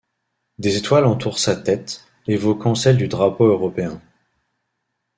Des étoiles entourent sa tête, évoquant celles du drapeau européen.